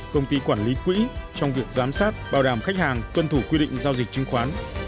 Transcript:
công ty quản lý quỹ trong việc giám sát bảo đảm khách hàng cân thủ quy định giao dịch chứng khoán